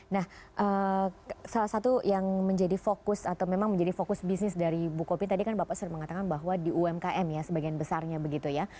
nah salah satu yang menjadi fokus atau memang menjadi fokus bisnis dari bukopin tadi kan bapak sering mengatakan bahwa di umkm ya sebagian besarnya begitu ya